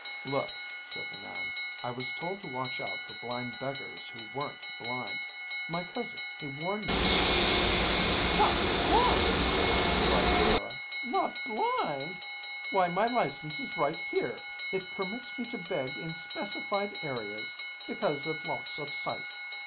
"Look," said the man, "I was told to watch out for blind beggars who weren't blind. My cousin, he warned me ..." "Not blind!" cried Rara. "Not blind? Why my license is right here. It permits me to beg in specified areas because of loss of sight.